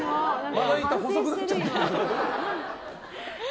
まな板細くなっちゃってる。